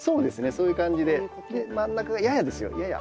そういう感じでで真ん中がややですよやや。